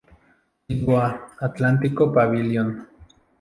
Lisboa, Atlántico Pavilion.